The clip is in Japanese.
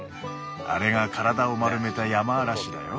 あれが体を丸めたヤマアラシだよ。